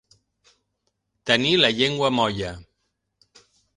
Tenir la llengua molla.